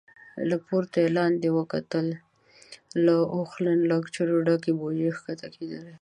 له پورته يې لاندې وکتل، له اوښانو او کچرو ډکې بوجۍ کښته کېدلې.